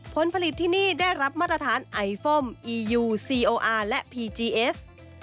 ผลผลิตที่นี่ได้รับมาตรฐานไอฟอมอียูซีโออาร์และพีจีเอส